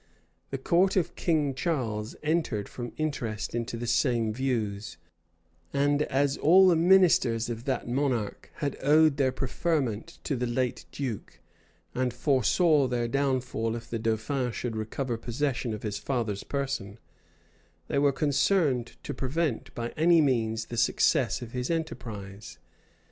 The court of King Charles entered from interest into the same views; and as all the ministers of that monarch had owed their preferment to the late duke, and foresaw their downfall if the dauphin should recover possession of his father's person, they were concerned to prevent by any means the success of his enterprise.